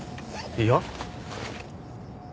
いや？